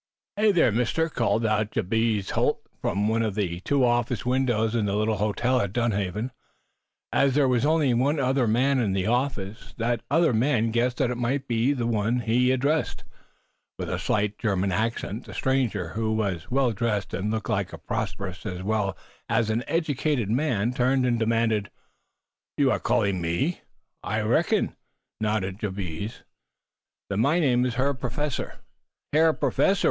"Hey, there, Mister!" called out Jabez Holt, from one of the two office windows in the little hotel at Dunhaven. As there was only one other man in the office, that other man guessed that he might be the one addressed. With a slight German accent the stranger, who was well dressed, and looked like a prosperous as well as an educated man, turned and demanded: "You are calling me?" "I reckon," nodded Jabez. "Then my name is Herr Professor " "Hair professor?"